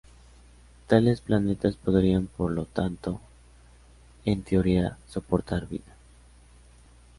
Tales planetas podrían por lo tanto en teoría soportar vida.